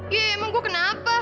iya emang gua kenapa